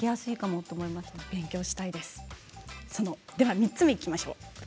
３つ目にいきましょう。